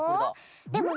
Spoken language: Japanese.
でもね